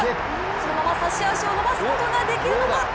そのまま差し脚を伸ばすことができるのか？